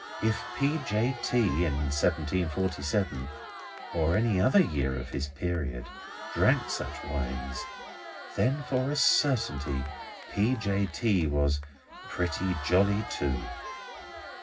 If P. J. T. in seventeen forty seven, or in any other year of his period, drank such wines—then, for a certainty, P. J. T. was Pretty Jolly Too.